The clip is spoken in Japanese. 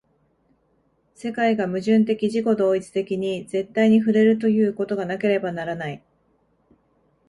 世界が矛盾的自己同一的に絶対に触れるということがなければならない。